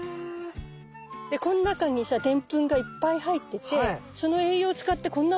でこの中にさでんぷんがいっぱい入っててその栄養を使ってこんな大きな芽生えになったの。